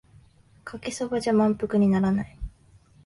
かけそばじゃ満腹にならない